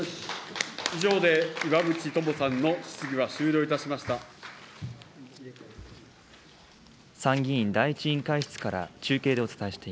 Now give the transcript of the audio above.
以上で岩渕友さんの質疑は終了いたしました。